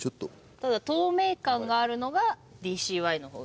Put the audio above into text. ただ透明感があるのがＤＣＹの方が。